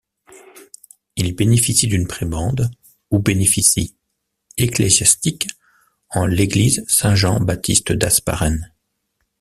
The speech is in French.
Il bénéficie d'une prébende, ou bénéficie ecclésiastique, en l'église Saint-Jean-Baptiste d'Hasparren.